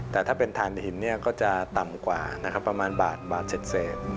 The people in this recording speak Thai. แต่ถ้าเป็นฐานหินก็จะต่ำกว่าประมาณบาทเศษ